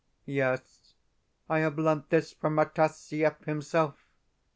Yes, I have learned this from Rataziaev himself.